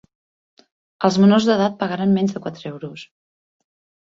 Els menors d'edat pagaran menys de quatre euros.